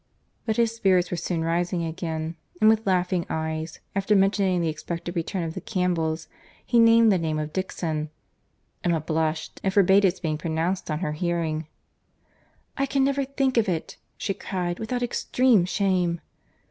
But his spirits were soon rising again, and with laughing eyes, after mentioning the expected return of the Campbells, he named the name of Dixon.—Emma blushed, and forbade its being pronounced in her hearing. "I can never think of it," she cried, "without extreme shame."